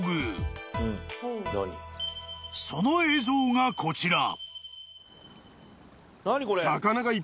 ［その映像がこちら］